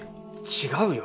違うよ。